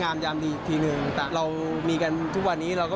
ว่าเราจะต้องเหนื่อยมากด้วยงานที่แบบมันพักไปยาวอะค่ะ